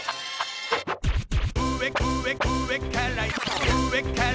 「うえうえうえからうえから」